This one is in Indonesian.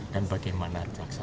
dan bagaimana jaksa